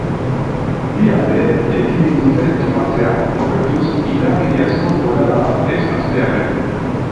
Bi aldeek ekidin dute topatzea, momentuz, indarkeriazko bolada bat ez hastearren.